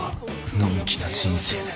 のんきな人生で。